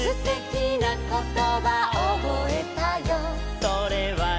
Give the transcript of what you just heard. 「それはね」